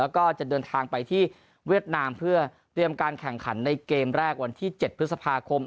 แล้วก็จะเดินทางไปที่เวียดนามเพื่อเตรียมการแข่งขันในเกมแรกวันที่๗พฤษภาคม